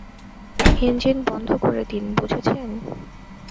Engine বন্ধ করে দিন, বুঝেছেন?